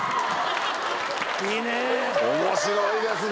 いいね。